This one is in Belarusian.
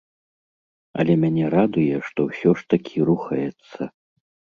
Але мяне радуе, што ўсё ж такі рухаецца.